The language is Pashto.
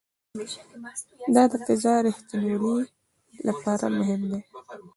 دا د فضا د ریښتینولي لپاره مهم دی.